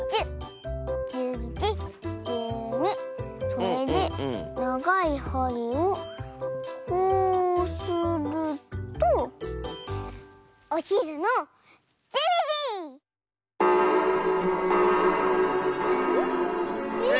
それでながいはりをこうするとおひるの１２じ！え？